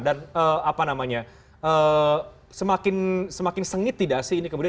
dan semakin sengit tidak sih ini kemudian